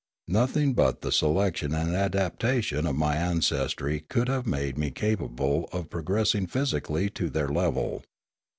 Nothing but the selection and adaptation of my ancestry could have made me capable of progressing physically to their level.